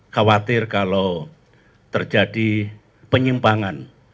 khawatir kalau terjadi penyimpangan